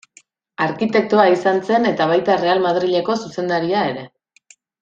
Arkitektoa izan zen eta baita Real Madrileko zuzendaria ere.